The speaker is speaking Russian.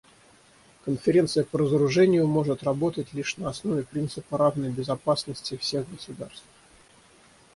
Конференция по разоружению может работать лишь на основе принципа равной безопасности всех государств.